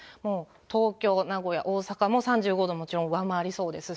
東京、名古屋、大阪も３５度をもちろん上回りそうですし。